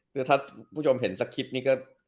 คือถ้าผู้ชมเห็นสกริปนี้ก็